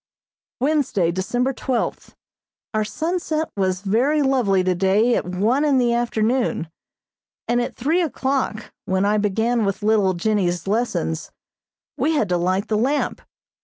] Wednesday, December twelfth: Our sunset was very lovely today at one in the afternoon, and at three o'clock, when I began with little Jennie's lessons, we had to light the lamp.